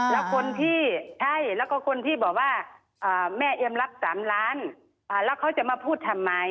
แล้วคนที่ใช่แล้วก็คนที่บอกว่าแม่เอ็มรับ๓ล้านแล้วเขาจะมาพูดทำไม